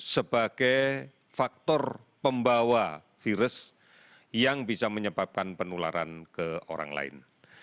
sebagai faktor pembawa virus yang bisa menyebabkan penularan ke orang lain